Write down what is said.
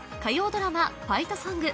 ドラマ「ファイトソング」